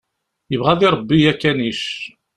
Yebɣa ad iṛebbi akanic.